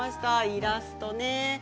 イラスト。